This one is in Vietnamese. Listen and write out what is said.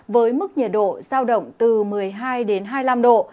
với mức nhiệt độ giao động từ một mươi hai đến hai mươi năm độ